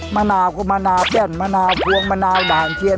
มะนาวก็มะนาวแป้นมะนาวพวงมะนาวด่านเทียน